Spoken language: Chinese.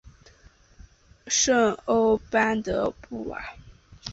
圣欧班德布瓦。